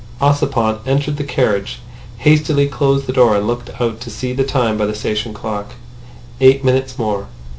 Ossipon entered the carriage, hastily closed the door and looked out to see the time by the station clock. Eight minutes more.